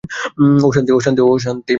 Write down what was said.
ওঁ শান্তিঃ, শান্তিঃ, শান্তিঃ।